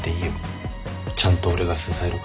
ちゃんと俺が支えるから。